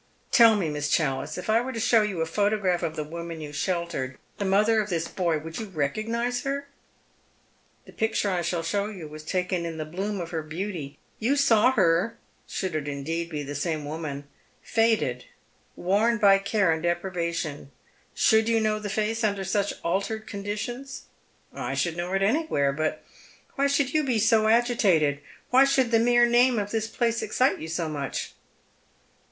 Tell me, Miss Challice, if I were to show you a photograph of the woman you sheltered, the mother of this boy, would you recognise her ? The picture I shall show you was taken in the bloom of her beauty. You saw her — should it indeed be the same woman — faded, worn by care and deprivation. Should you know the face under such altered conditions ?"" I should know it anywhere. But why should you be so agitated ? "Why should the mere name of this place ex:cite you so much